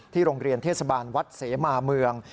โรงเรียนเทศบาลวัดเสมาเมือง